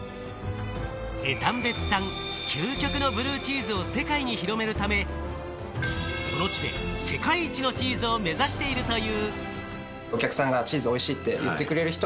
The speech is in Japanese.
江丹別産、究極のブルーチーズを世界に広めるため、この地で世界一のチーズを目指しているという。